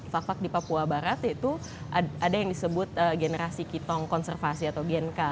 fak fak di papua barat itu ada yang disebut generasi kitong konservasi atau genka